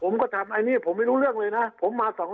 คราวนี้เจ้าหน้าที่ป่าไม้รับรองแนวเนี่ยจะต้องเป็นหนังสือจากอธิบดี